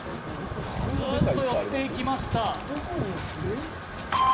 グッと寄っていきました。